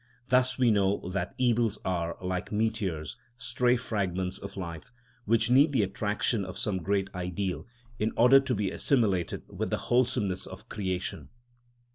Thus we know that evils are, like meteors, stray fragments of life, which need the attraction of some great ideal in order to be assimilated with the wholesomeness of creation.